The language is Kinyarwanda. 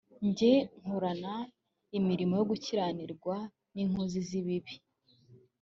njye nkorana imirimo yo gukiranirwa n inkozi z ibibi